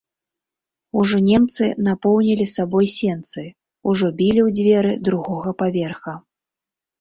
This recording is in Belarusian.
Ужо немцы напоўнілі сабой сенцы, ужо білі ў дзверы другога паверха.